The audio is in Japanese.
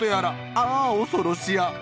ああおそろしや。